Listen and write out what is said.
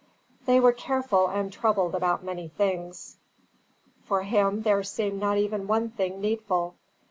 They were careful and troubled about many things; for him there seemed not even one thing needful.